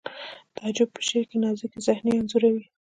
تعجب په شعر کې نازکې صحنې انځوروي